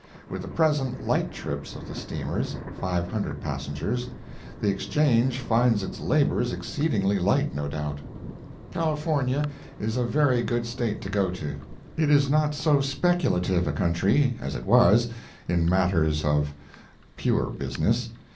With the present light trips of the steamers (500 passengers) the Exchange finds its labors exceedingly light, no doubt. California is a very good State to go to. It is not so speculative a country as it was, in matters of pure business.